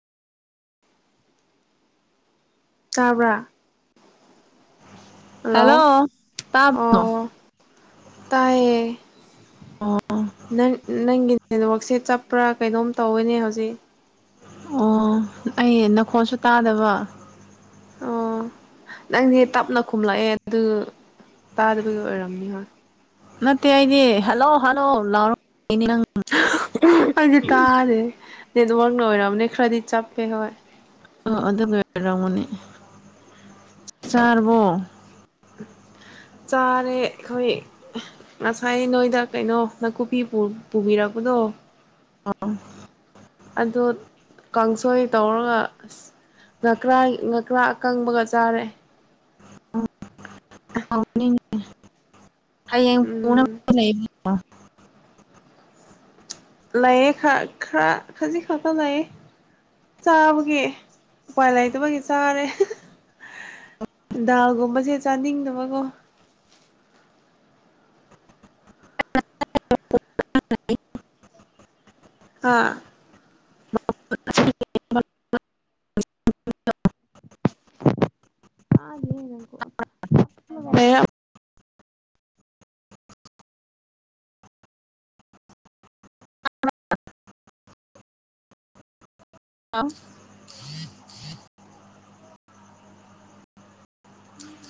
ꯇꯥꯕ꯭ꯔꯥ ꯍꯜꯂꯣ ꯑꯣ ꯇꯥꯏꯌꯦ ꯑꯣ ꯅꯪ ꯅꯪꯒꯤ ꯅꯦꯠꯋꯥꯛꯁꯦ ꯆꯠꯄ꯭ꯔꯥ ꯀꯩꯅꯣꯝ ꯇꯧꯋꯤꯅꯦ ꯍꯧꯖꯤꯛ ꯑꯣ ꯑꯩ ꯅꯈꯣꯜꯁꯨ ꯇꯥꯗꯕ ꯑꯣ ꯅꯪꯗꯤ ꯇꯞꯅ ꯈꯨꯝꯂꯛꯑꯦ ꯑꯗꯨ ꯇꯥꯗꯕꯒꯤ ꯑꯣꯏꯔꯝꯅꯤ ꯍꯣꯏ ꯅꯠꯇꯦ ꯑꯩꯗꯤ ꯍꯜꯂꯣ ꯍꯜꯂꯣ ꯂꯥꯎꯔꯅꯤ ꯅꯪ ꯑꯩꯗꯤ ꯇꯥꯗꯦ ꯅꯦꯠꯋꯥꯛꯅ ꯑꯣꯏꯔꯝꯒꯅꯤ ꯈꯔꯗꯤ ꯆꯞꯄꯦ ꯍꯣꯏ ꯑꯣ ꯑꯗꯨꯒꯤ ꯑꯣꯢꯔꯝꯒꯤ ꯆꯥꯔꯕꯣ ꯆꯥꯔꯦ ꯑꯩꯈꯣꯏ ꯉꯁꯥꯏ ꯅꯣꯏꯗ ꯀꯩꯅꯣ ꯅꯥꯀꯨꯞꯄꯤ ꯄꯨꯕꯤꯔꯛꯄꯗꯣ ꯑꯥ ꯑꯗꯨ ꯀꯥꯡꯁꯣꯏ ꯇꯧꯔꯒ ꯑꯁ ꯅꯀ꯭ꯔꯥ ꯅꯀ꯭ꯔꯥ ꯑꯀꯪꯕꯒ ꯆꯥꯔꯦ ꯅꯤꯅ ꯎꯝ [unintelligible] ꯂꯩ [unintelligible] ꯂꯥꯏꯌꯦ ꯈꯥ ꯈꯔ ꯈꯖꯤꯛ ꯈꯥ ꯈ ꯂꯌꯦ ꯆꯥꯕꯒꯤ ꯎꯄꯥꯏ ꯂꯩꯇꯕꯒꯤ ꯆꯥꯔꯦ ꯗꯥꯒꯨꯝꯕꯁꯦ ꯆꯥꯅꯤꯡꯗꯕꯀꯣ ꯑꯥ [inaudible] ꯑꯗꯦꯅꯀꯣ [unintelligible] ꯑ ꯑꯐ [unintelligible]